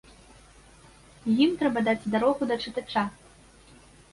Ім трэба даць дарогу да чытача.